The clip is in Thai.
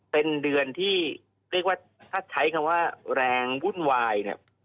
เป็นเดือนที่เรียกว่าถ้าใช้คำว่าแรงวุ่นวายเนี่ย